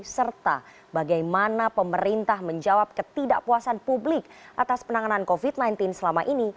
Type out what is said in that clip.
serta bagaimana pemerintah menjawab ketidakpuasan publik atas penanganan covid sembilan belas selama ini